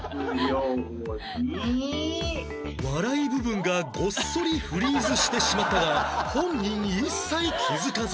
笑い部分がごっそりフリーズしてしまったが本人一切気付かず